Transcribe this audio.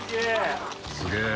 すげえ！